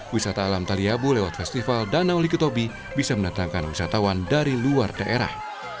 wisata alam taliabu lewat festival danau likitobi bisa mendatangkan wisatawan dari luar daerah